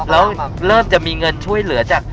แล้วเริ่มจะมีเงินช่วยเหลือจาก